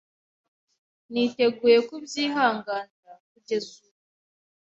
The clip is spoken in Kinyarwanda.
Niteguye kubyihanganira kugeza ubu.